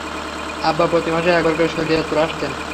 আব্বা প্রতি মাসে একবার করে শরীয়তপুর আসতেন।